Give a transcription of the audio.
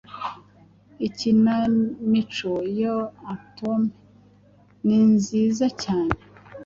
Ikinamico ya Atome ninziza cyane